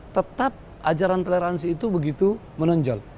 tetap ajaran toleransi itu begitu menonjol